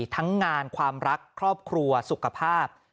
ทั้งงานความรักครอบครัวสุขภาพ